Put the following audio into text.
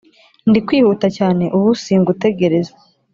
ndi kwihuta cyane ubu singutegereza